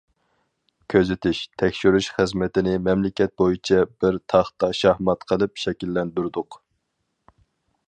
كۆزىتىش- تەكشۈرۈش خىزمىتىنى مەملىكەت بويىچە« بىر تاختا شاھمات» قىلىپ شەكىللەندۈردۇق.